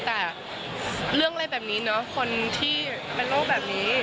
แต่เรื่องอะไรแบบนี้เนอะคนที่เป็นโรคแบบนี้